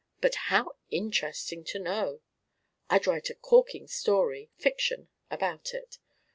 But how interesting to know! I'd write a corking story fiction about it.